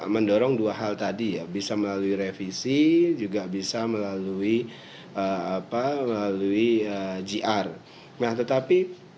mendorong dua hal tadi ya bisa melalui revisi juga bisa melalui apa melalui jr nah tetapi